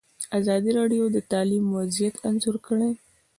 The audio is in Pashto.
ازادي راډیو د تعلیم وضعیت انځور کړی.